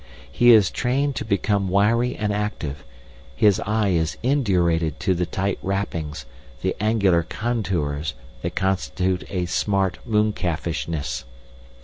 He is trained to become wiry and active, his eye is indurated to the tight wrappings, the angular contours that constitute a 'smart mooncalfishness.